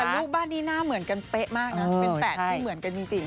แต่ลูกบ้านนี้หน้าเหมือนกันเป๊ะมากนะเป็นแฝดที่เหมือนกันจริง